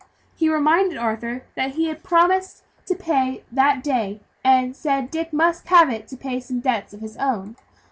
He reminded Arthur that he had promised to pay that day, and said Dick must have it to pay some debts of his own.